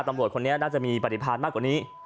ตำรวจคนนี้น่าจะมีปฏิพันธ์มากกว่านี้